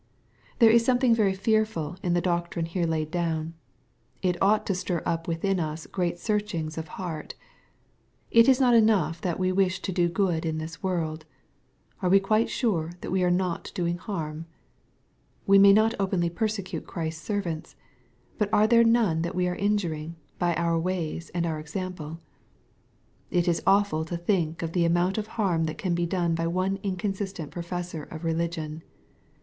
There is something very fearful in the doctrine here laid down. It ought to stir up within us great searchings of heart. It is not enough that we wish to do good in this world. Are we quite sure that we are iipt doing harm ?— We may not openly persecute Christ's servants. But are there none that we are injuring by our ways and our ex ample ? It is awful to think of the amount of harm that can be done by one inconsistent professor of religion.